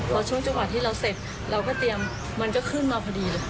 พอช่วงจังหวะที่เราเสร็จเราก็เตรียมมันก็ขึ้นมาพอดีเลย